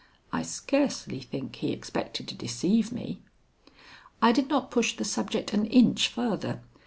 I scarcely think he expected to deceive me. I did not push the subject an inch farther.